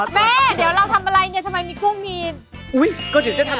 แม่คิดว่าเราทำอะไรเนี่ยทำไมมีกูมีนะ